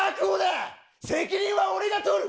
責任は俺が取る！